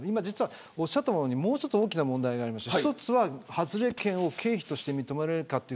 おっしゃったよりもう少し大きな問題がありまして一つは外れ券を経費として認められるかと